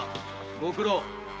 ご苦労。